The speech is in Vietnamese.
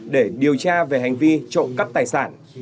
để điều tra về hành vi trộm cắp tài sản